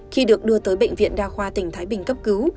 khi được đưa tới bệnh viện đa khoa tỉnh thái bình cấp cứu